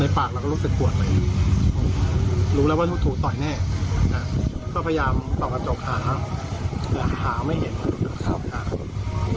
พอรู้เป็นเรื่องปุ๊บในปากเราก็รู้สึกปวดเลย